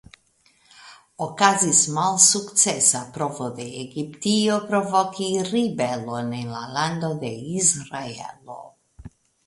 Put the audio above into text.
Okazis malsukcesa provo de Egiptio provoki ribelon en la Lando de Israelo.